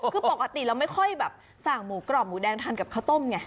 คือปกติเราไม่ค่อยแบบสั่งหมูกรอบหมูแดงทานกับข้าวต้มไง